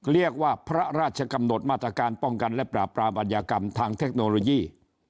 เรียกว่าพระราชกำหนดมาตรการป้องกันและปราบปรามอัญญากรรมทางเทคโนโลยี